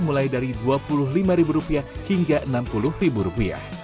mulai dari rp dua puluh lima hingga rp enam puluh